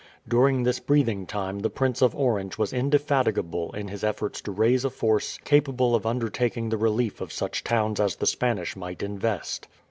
During this breathing time the Prince of Orange was indefatigable in his endeavours to raise a force capable of undertaking the relief of such towns as the Spanish might invest.